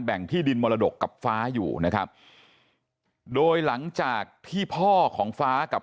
ที่ดินมรดกกับฟ้าอยู่นะครับโดยหลังจากที่พ่อของฟ้ากับ